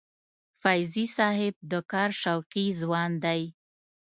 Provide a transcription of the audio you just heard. فیضي صاحب د کار شوقي ځوان دی.